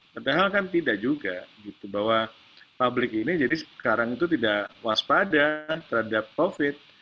padahal kan tidak juga bahwa publik ini jadi sekarang itu tidak waspada terhadap covid